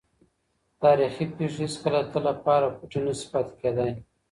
تاریخي پېښې هېڅکله د تل لپاره پټې نه سي پاتې کېدای.